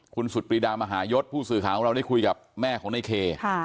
คุณสุดปรีดามหายศผู้สื่อข่าวของเราได้คุยกับแม่ของในเค